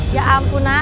ya ampun nak